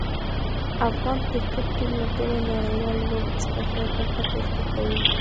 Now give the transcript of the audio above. افغان کرکټ ټیم له ټولو نړیوالو لوبو څخه ښه ګټه پورته کوي.